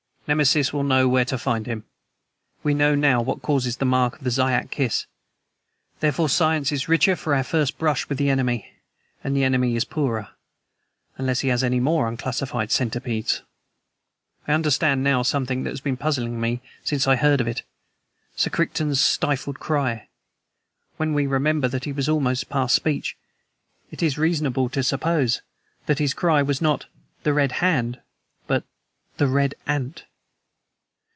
"Nemesis will know where to find him. We know now what causes the mark of the Zayat Kiss. Therefore science is richer for our first brush with the enemy, and the enemy is poorer unless he has any more unclassified centipedes. I understand now something that has been puzzling me since I heard of it Sir Crichton's stifled cry. When we remember that he was almost past speech, it is reasonable to suppose that his cry was not 'The red hand!' but 'The red ANT!'